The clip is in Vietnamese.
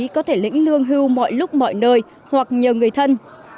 có thể lĩnh lương hưu mọi lúc mọi nơi hoặc nhờ người thân